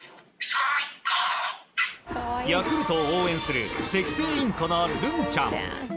ヤクルトを応援するセキセイインコの、るんちゃん。